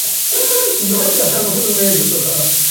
কারণ, পুরুষের ভালোবাসাই মেয়েদের বল, তাহাদের জীবনব্যবসায়ের মূলধন।